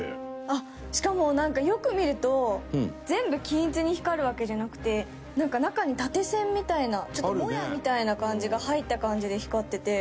あっしかもなんかよく見ると全部均一に光るわけじゃなくて中に縦線みたいなちょっとモヤみたいな感じが入った感じで光ってて。